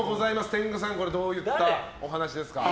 天狗さん、これはどういったお話ですか？